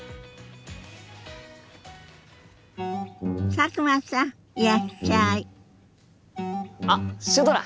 佐久間さんいらっしゃい！あっシュドラ。